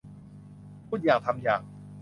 พูดอย่างทำอย่าง